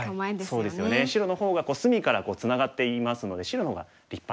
そうですよね白の方が隅からツナがっていますので白の方が立派なんですよ。